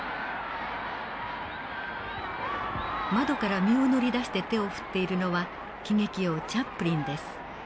窓から身を乗り出して手を振っているのは喜劇王チャップリンです。